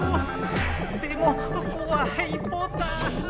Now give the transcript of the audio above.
でもこわいポタァ。